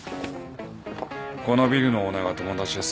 このビルのオーナーが友達でさ。